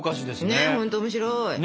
ねっ本当面白い！